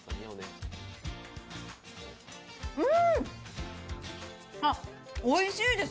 うん！あっ、おいしいです。